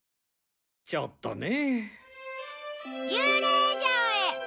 ちょっとね。